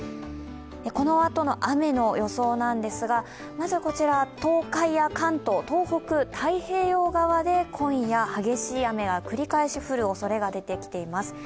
このあとの雨の予想なんですが、まずこちら、東海や関東、東北太平洋側で今夜、激しい雨が繰り返し降るおそれが出てきています。